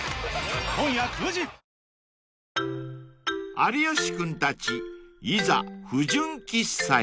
［有吉君たちいざ不純喫茶へ］